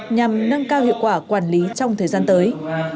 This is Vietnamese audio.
nhằm nâng cao hiệu quả quản lý trong thời gian tới